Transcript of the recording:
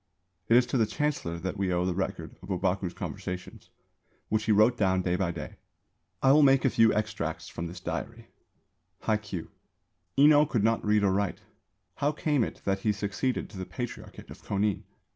It is to the Chancellor that we owe the record of Ōbaku's conversations, which he wrote down day by day. I will make a few extracts from this diary: Hai Kyū. Enō could not read or write. How came it that he succeeded to the Patriarchate of Kōnin?